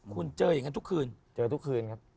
คุณเจออย่างนั้นทุกคืนเจอทุกคืนครับ